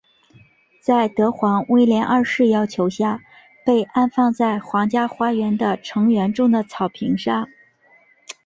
在德皇威廉二世要求下被安放在皇家花园的橙园中的草坪上。